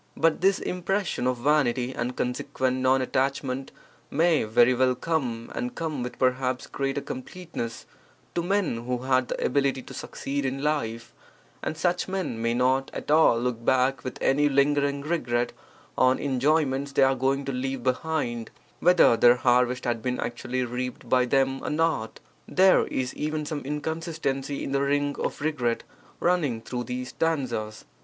But this impression of vanity and consequent non attachment may very well come, and come with perhaps greater completeness, to men who had the ability to succeed in life, and such men may not at all look back with any lingering regret on enjoyments they are going to leave behind, whether their harvest had been actually reaped by them or not. There is even some inconsistency in the ring of regret running through these stanzas.